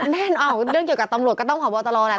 แน่นอนเรื่องเกี่ยวกับตำรวจก็ต้องพบตลอดแหละ